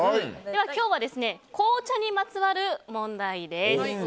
では今日は紅茶にまつわる問題です。